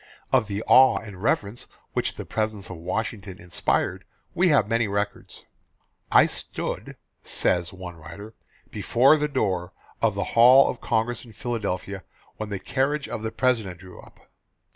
Of the awe and reverence which the presence of Washington inspired we have many records. "I stood," says one writer, "before the door of the Hall of Congress in Philadelphia when the carriage of the President drew up.